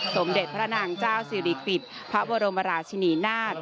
สมเด็จพระนางเจ้าสิริกิจพระบรมราชินีนาฏ